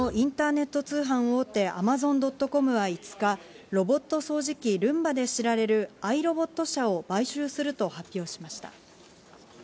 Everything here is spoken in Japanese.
アメリカのインターネット通販大手アマゾン・ドット・コムは５日、ロボット掃除機・ルンバで知られるアイロボット社を買収すると発表しました。